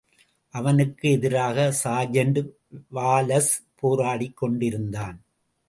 அவனுக்கு எதிராக sergeant Wallace போராடிக்கொண்டிருந்தான்.